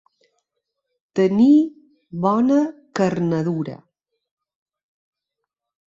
Tenir bona carnadura.